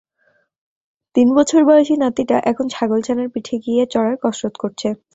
তিন বছর বয়সী নাতিটা এখন ছাগলছানার পিঠে গিয়ে চড়ার কসরত করছে।